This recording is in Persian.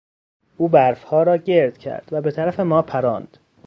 او برفها را گرد کرد و به طرف ما پراند.